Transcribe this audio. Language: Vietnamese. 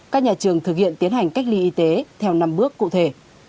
các nhà trường thực hiện tiến hành cách ly y tế theo năm bước cụ thể